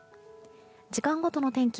時間ごとの天気